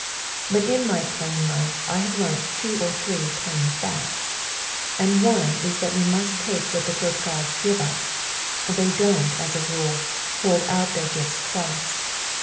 "But in my plain life I have learnt two or three plain facts, and one is that we must take what the good gods give us; they don't, as a rule, hold out their gifts twice.